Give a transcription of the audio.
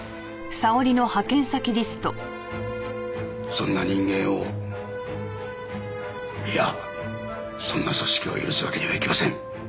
そんな人間をいやそんな組織を許すわけにはいきません。